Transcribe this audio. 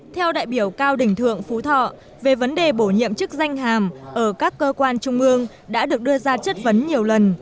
theo đại biểu cao đỉnh thượng phú thọ về vấn đề bổ nhiệm chức danh hàm ở các cơ quan trung ương đã được đưa ra chất vấn nhiều lần